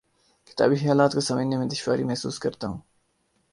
کتابی خیالات کو سمجھنے میں دشواری محسوس کرتا ہوں